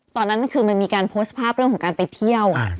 ตอนนั้นคือมันมีการโพสต์ภาพเรื่องของการไปเที่ยว